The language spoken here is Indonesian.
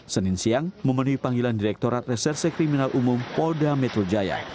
senin siang memenuhi panggilan direkturat reserse kriminal umum polda metro jaya